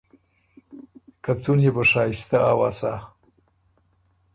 که څُون يې بو شائستۀ اؤسا۔